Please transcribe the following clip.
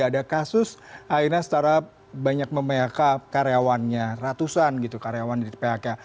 ada kasus akhirnya startup banyak memehk karyawannya ratusan gitu karyawan di phk